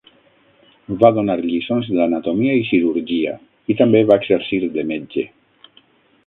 Va donar lliçons d'anatomia i cirurgia, i també va exercir de metge.